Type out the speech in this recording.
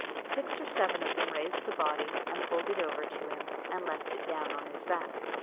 Six or seven of them raised the body then, and pulled it over to him, and left it down on his back.